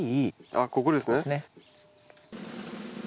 あっここですね。